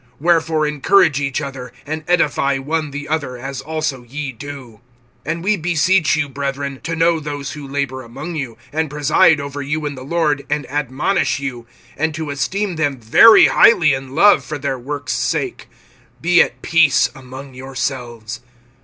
(11)Wherefore encourage each other, and edify one the other, as also ye do. (12)And we beseech you, brethren, to know those who labor among you, and preside over you in the Lord, and admonish you; (13)and to esteem them very highly in love for their work's sake. Be at peace among yourselves.